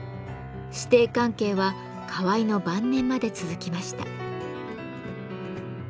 師弟関係は河井の晩年まで続きました。